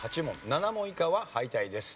７問以下は敗退です。